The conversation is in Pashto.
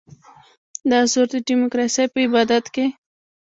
دا زور د ډیموکراسۍ په عبادت کې.